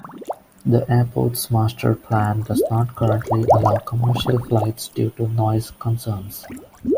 The airport's master plan does not currently allow commercial flights due to noise concerns.